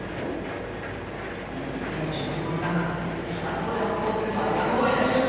あの少ない情報の中あそこで発砲するのはやむを得ない処置。